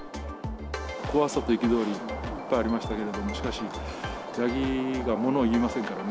怖さと憤りがありましたけど、しかし、ヤギはものを言いませんからね。